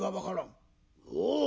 「おう。